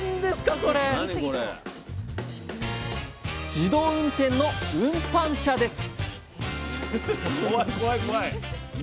自動運転の運搬車です！